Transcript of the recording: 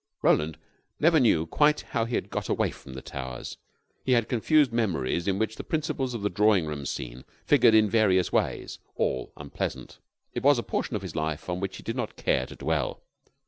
Roland never knew quite how he had got away from The Towers. He had confused memories in which the principals of the drawing room scene figured in various ways, all unpleasant. It was a portion of his life on which he did not care to dwell.